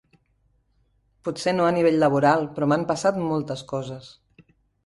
Potser no a nivell laboral, però m'han passat moltes coses.